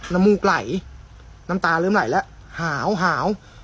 มูกไหลน้ำตาเริ่มไหลแล้วหาวหาว